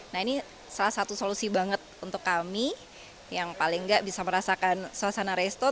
nah ini salah satu solusi banget untuk kami yang paling nggak bisa merasakan suasana resto